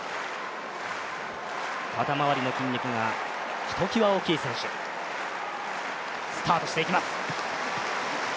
肩周りの筋肉がひときわ大きい選手、スタートしていきます。